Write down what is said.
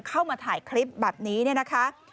เข้ามาถ่ายคลิปแบบนี้นะคะ